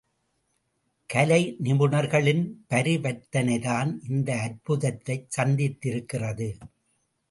கலை நிபுணர்களின் பரிவர்த்தனைதான் இந்த அற்புதத்தைச் சாதித்திருக்கிறது.